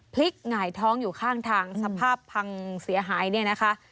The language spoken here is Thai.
หงายท้องอยู่ข้างทางสภาพพังเสียหายเนี่ยนะคะ